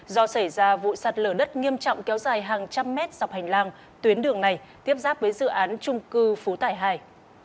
do xảy ra vụ sạt lở đất nghiêm trọng kéo dài hàng trăm mét dọc hành lang tuyến đường này tiếp giáp với dự án trung cư phú tải hai